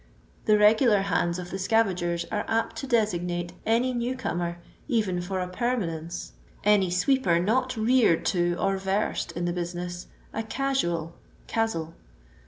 The regular hands of the scavagers are apt to designate any new comer, even for a permanence, any sweeper not reared to or rersed in the business, a casual ("easier).